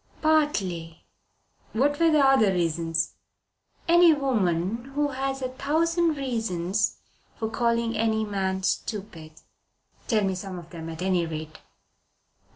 "Partly." "What were the other reasons?" "Any woman has a thousand reasons for calling any man stupid." "Tell me some of them at any rate."